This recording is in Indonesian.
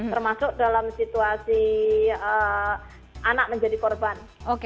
termasuk dalam situasi anak menjadi korban